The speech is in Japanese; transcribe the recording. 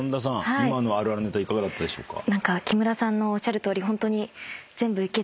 今のあるあるネタいかがだったでしょうか？